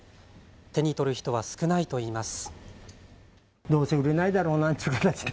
手に取る人は少ないといいます。